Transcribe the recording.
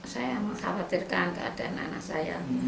saya mengkhawatirkan keadaan anak saya